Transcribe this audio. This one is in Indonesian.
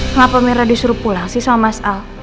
kenapa merah disuruh pulang sih sama mas al